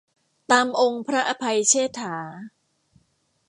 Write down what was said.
ตามองค์พระอภัยเชษฐา